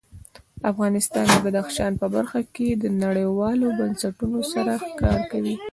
افغانستان د بدخشان په برخه کې نړیوالو بنسټونو سره کار کوي.